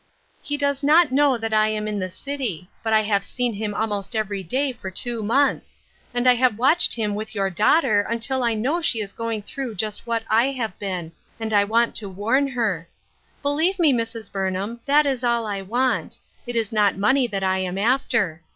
He does not know that I am in the city, but I have seen him almost every day for two months ; and I have watched him with your daughter until I know she is going through just what I have been, and I want to warn her. Believe me, Mrs. Burnham, that is all I want ; it is not money that I am after.